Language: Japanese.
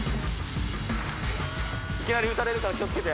いきなり撃たれるから気を付けて。